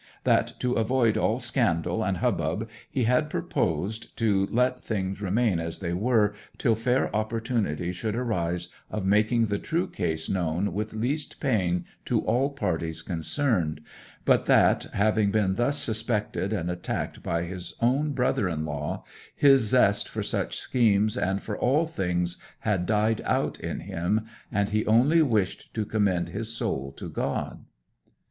That to avoid all scandal and hubbub he had purposed to let things remain as they were till fair opportunity should arise of making the true case known with least pain to all parties concerned, but that, having been thus suspected and attacked by his own brother in law, his zest for such schemes and for all things had died out in him, and he only wished to commend his soul to God.